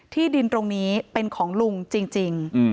ที่ดินตรงนี้เป็นของลุงจริง